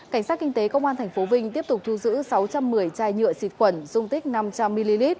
cảnh sát kinh tế công an tp vinh tiếp tục thu giữ sáu trăm một mươi chai nhựa xịt khuẩn dung tích năm trăm linh ml